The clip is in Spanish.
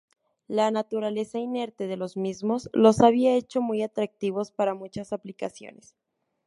La naturaleza inerte de los mismos los había hecho muy atractivos para muchas aplicaciones.